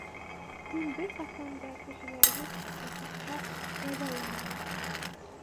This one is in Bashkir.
Мин бер ҡасан да кешеләрҙе нахаҡҡа язаламаным.